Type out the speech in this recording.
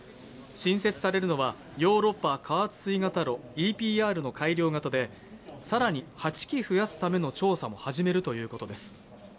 新設されるのはヨーロッパ加圧水型炉＝ＥＰＲの改良型で更に８基増やすための調査も始めるということです。